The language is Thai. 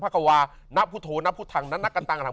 มันบ้าอีกอย่างงี้